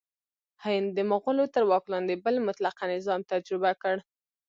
هند د مغولو تر واک لاندې بل مطلقه نظام تجربه کړ.